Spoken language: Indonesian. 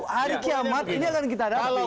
hari kiamat ini akan kita dalami